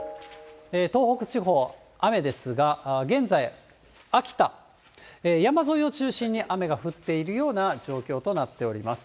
東北地方、雨ですが、現在、秋田、山沿いを中心に雨が降っているような状況となっております。